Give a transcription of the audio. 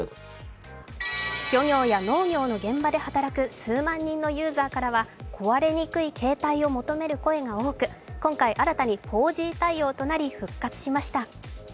数万人のユーザーからは壊れにくい携帯を求める声が多く今回、新たに４Ｇ対応となり、復活しました。